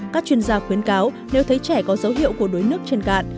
các chuyên gia khuyến cáo nếu thấy trẻ có dấu hiệu của đuối nước trên cạn